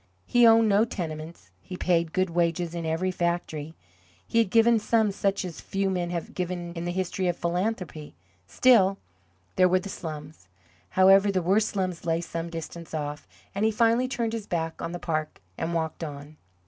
He owned no tenements; he paid good wages in every factory; he had given sums such as few men have given in the history of philanthropy. Still there were the slums. However, the worst slums lay some distance off, and he finally turned his back on the park and walked on.